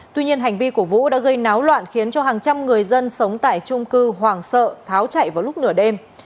tuy nhiên hành vi của vũ đã gây náo loạn khiến cho hàng trăm người dân sống tại trung cư hoàng sợ tháo chạy vào lúc nửa đêm